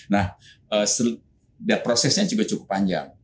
nah prosesnya juga cukup panjang